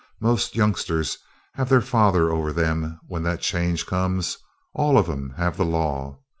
Most youngsters have their fathers over them when that change comes. All of 'em have the law.